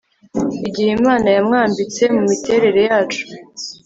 igihe imana yamwambitse mumiterere yacu